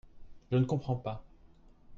Je ne comprends pas.